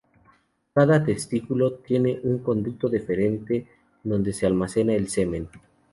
Cada testículo tiene un conducto deferente donde se almacena el semen.